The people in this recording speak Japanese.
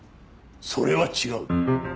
それは違う。